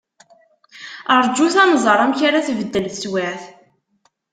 Rjut ad nẓer amek ara tbeddel teswiεt.